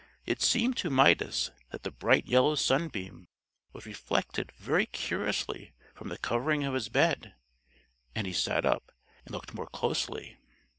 It seemed to Midas that the bright yellow sunbeam was reflected very curiously from the covering of his bed, and he sat up and looked more closely.